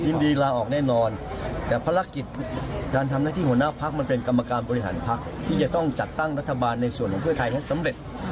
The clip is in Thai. ลาออกแน่นอนแต่ภารกิจการทำหน้าที่หัวหน้าพักมันเป็นกรรมการบริหารพักที่จะต้องจัดตั้งรัฐบาลในส่วนของเพื่อไทยให้สำเร็จ